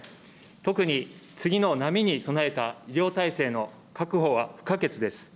特に、次の波に備えた医療体制の確保は不可欠です。